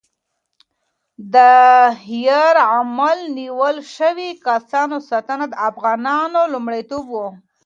د یرغمل نیول شوي کسانو ساتنه د افغانانو لومړیتوب و.